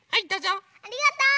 ありがとう！